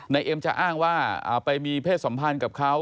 เอ็มจะอ้างว่าไปมีเพศสัมพันธ์กับเขา